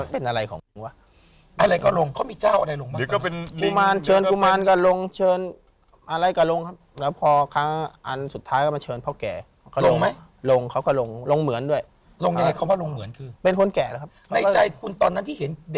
ผมก็นึกในใจเป็นอะไร